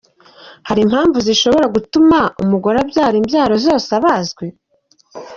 Hari impamvu zishobora gutuma umugore abyara ibyaro zose abazwe ?.